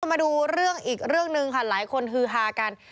มาดูเรื่องอีกเรื่องหนึ่งค่ะหลายคนฮือฮากัน